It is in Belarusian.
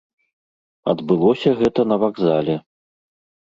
Адбылося гэта на вакзале.